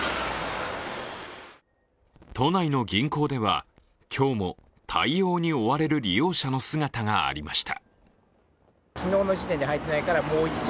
都内の銀行では今日も対応に追われる利用者の姿がありました。